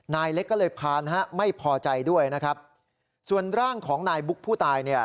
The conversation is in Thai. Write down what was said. นายเล็กก็เลยพานฮะไม่พอใจด้วยนะครับส่วนร่างของนายบุ๊กผู้ตายเนี่ย